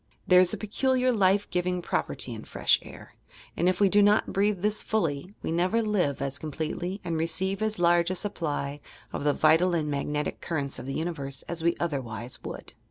There is a peculiar life giving property in fre sh air, and if we do not breathe this fully, we never live as completely and receive as large a supply of the vital and magnetic currents of the nniverse as we otherwise would.